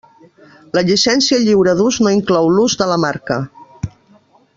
La llicència lliure d'ús no inclou l'ús de la marca.